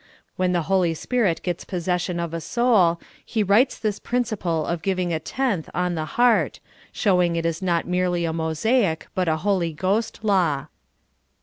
When the Holy Spirit gets possession of a soul, He writes this principle of giving a tenth on the heart, showing it is not merely a Mosiac, but a Holy Ghost law.